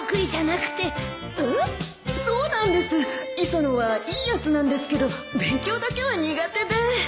磯野はいいやつなんですけど勉強だけは苦手で